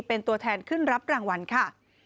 เป็นตัวแทนขึ้นรับรางวัลค่ะ